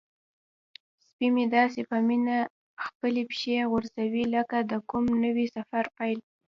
سپی مې داسې په مینه خپلې پښې غځوي لکه د کوم نوي سفر پیل.